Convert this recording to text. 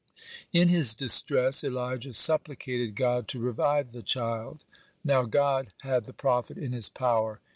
(10) In his distress Elijah supplicated God to revive the child. (11) Now God had the prophet in His power.